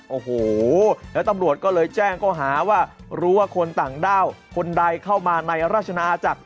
โอ้โหแล้วตำรวจก็เลยแจ้งเขาหาว่ารู้ว่าคนต่างด้าวคนใดเข้ามาในราชนาจักร